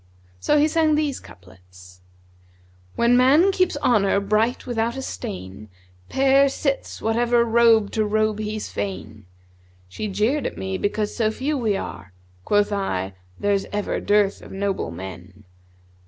So he sang these couplets, 'When man keeps honour bright without a stain, * Pair sits whatever robe to robe he's fain! She jeered at me because so few we are; * Quoth I:—'There's ever dearth of noble men!'